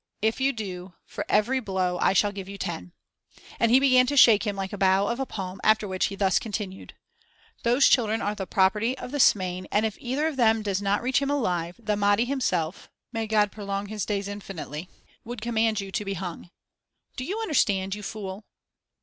If you do, for every blow, I shall give you ten." And he began to shake him like a bough of a palm, after which he thus continued: "Those children are the property of Smain and if either of them does not reach him alive, the Mahdi himself (May God prolong his days infinitely!) would command you to be hung. Do you understand, you fool?"